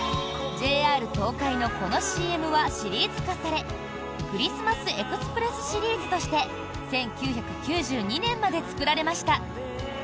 ＪＲ東海のこのＣＭはシリーズ化されクリスマス・エクスプレスシリーズとして１９９２年まで作られました。